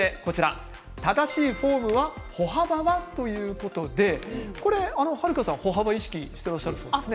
正しいフォームは歩幅だということではるかさんは意識していらっしゃいますか？